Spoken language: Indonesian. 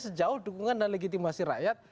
sejauh dukungan dan legitimasi rakyat